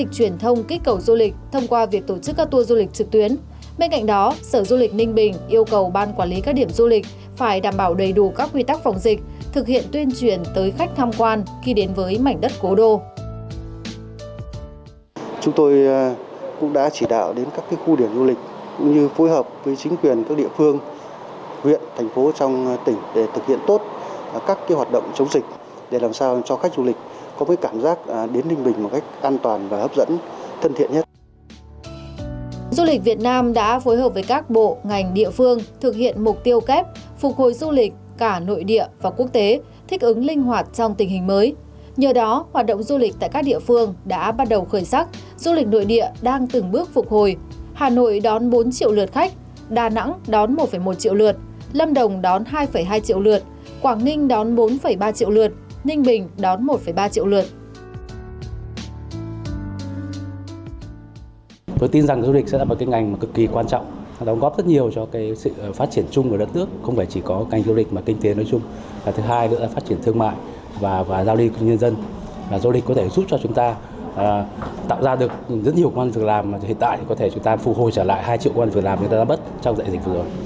thứ hai là phát triển thương mại và giao lý của nhân dân du lịch có thể giúp cho chúng ta tạo ra được rất nhiều quân vừa làm mà hiện tại chúng ta có thể phù hồi trả lại hai triệu quân vừa làm mà chúng ta đã bắt trong dạy dịch vừa rồi